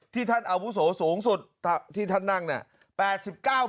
ท่านอาวุโสสูงสุดที่ท่านนั่งเนี่ย